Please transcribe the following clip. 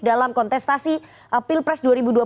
dalam kontestasi pilpres dua ribu dua puluh